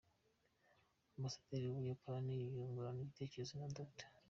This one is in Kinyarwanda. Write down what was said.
Ambasaderi w'u Buyapani yungurana ibitekerezo na Dr.